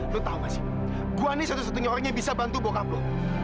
lu tau gak sih gue nih satu satunya orang yang bisa bantu bokap lu